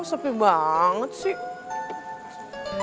kok sepi banget sih